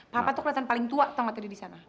papa tuh kelihatan paling tua tau gak tadi di sana